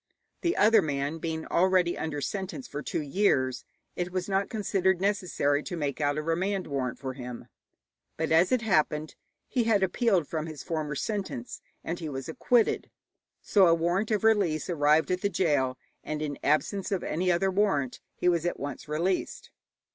The other man being already under sentence for two years, it was not considered necessary to make out a remand warrant for him. But, as it happened, he had appealed from his former sentence and he was acquitted, so a warrant of release arrived at the gaol, and, in absence of any other warrant, he was at once released.